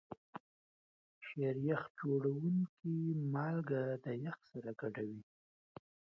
شیریخ جوړونکي مالګه د یخ سره ګډوي.